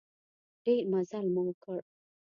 ډېر مزل مو وکړ.